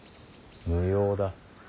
無用だ。